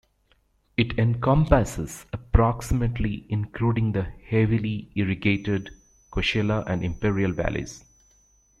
It encompasses approximately including the heavily irrigated Coachella and Imperial Valleys.